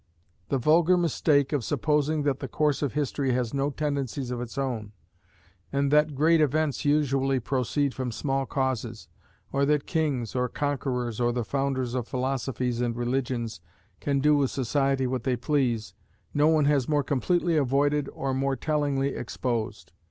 The vulgar mistake of supposing that the course of history has no tendencies of its own, and that great events usually proceed from small causes, or that kings, or conquerors, or the founders of philosophies and religions, can do with society what they please, no one has more completely avoided or more tellingly exposed.